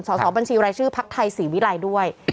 สอบบัญชีรายชื่อพักไทยศรีวิรัยด้วย